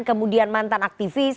kemudian mantan aktivis